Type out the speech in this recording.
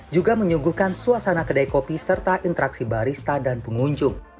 juga menyuguhkan suasana kedai kopi serta interaksi barista dan pengunjung